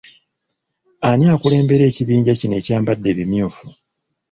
Ani akulembera ekibinja kino ekyambadde ebimyufu?